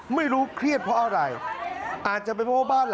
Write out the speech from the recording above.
ไม่รู้เครียดเพราะอะไรอาจจะเป็นเพราะว่าบ้านหลัง